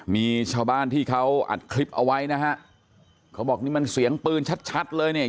มีชาวบ้านที่เขาอัดคลิปเอาไว้นะฮะเขาบอกนี่มันเสียงปืนชัดชัดเลยเนี่ย